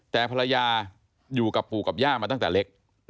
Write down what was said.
แต่ภรรยาอยู่กับปู่กับย่ามาตั้งแต่เล็ก